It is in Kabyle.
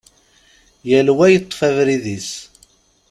Yal wa yeṭṭef abrid-is.